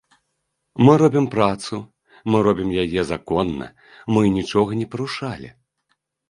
Мы робім працу, мы робім яе законна, мы нічога не парушалі.